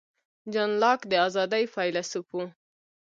جان لاک د آزادۍ فیلیسوف و.